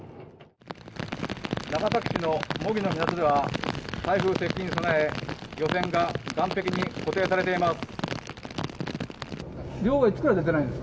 長崎市の茂木の港では台風の接近に備え漁船が岸壁に固定されています。